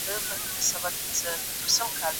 دا اړتیا احساسېږي.